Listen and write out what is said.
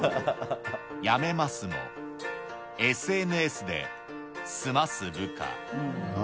辞めますもＳＮＳで済ます部下。